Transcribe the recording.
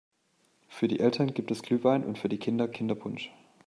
Für die Eltern gibt es Glühwein und für die Kinder Kinderpunsch.